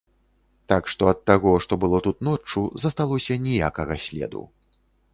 Так што ад таго, што было тут ноччу, засталося ніякага следу.